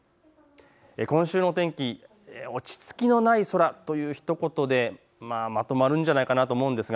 今週の天気、落ち着きのない空というひと言でまとまるんじゃないかと思います。